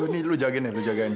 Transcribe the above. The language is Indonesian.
nih lu jagain ya lu jagain